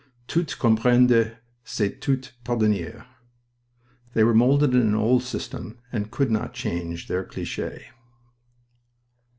Tout comprendre c'est tout pardonner. They were molded in an old system, and could not change their cliche.